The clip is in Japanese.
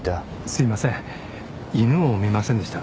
すいません犬を見ませんでした？